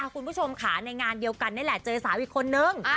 คุณผู้ชมค่ะในงานเดียวกันนี่แหละเจอสาวอีกคนนึง